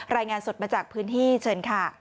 รายงานสดมาจากพื้นที่เชิญค่ะ